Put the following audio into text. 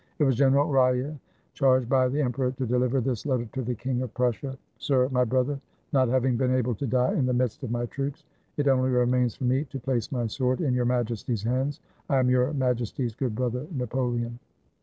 It was Gen eral Reille, charged by the emperor to deliver this letter to the King of Prussia: — 404 THE WHITE FLAG OF SEDAN Sir, my Brother, — Not having been able to die in the midst of my troops, it only remains for me to place my sword in Your Majesty's hands. — I am Your Maj esty's good Brother, Napoleon.